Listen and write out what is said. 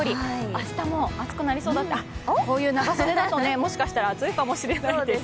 明日も暑くなりそうだと、こういう長袖だと、もしかしたら暑いかもしれないです。